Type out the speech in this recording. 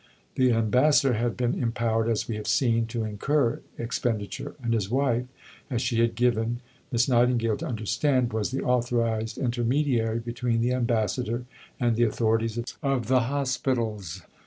The Ambassador had been empowered, as we have seen, to incur expenditure; and his wife, as she had given Miss Nightingale to understand, was the authorized intermediary between the Ambassador and the authorities of the hospitals.